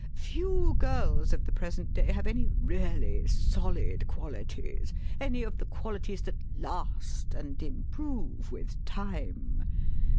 Few girls of the present day have any really solid qualities, any of the qualities that last, and improve with time.